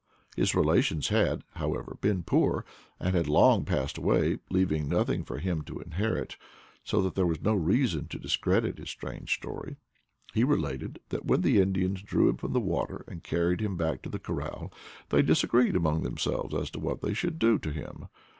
His rela tions had, however, been poor, and had long passed away, leaving nothing for him to inherit, so that there was no reason to discredit his strange story. He related that when the Indians drew him from the water and carried him back to the corral they disagreed among themselves as to what they should do to him.